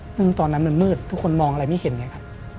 ซึ่งตอนนั้นมันมืดทุกคนมองอะไรไม่เห็นไงครับ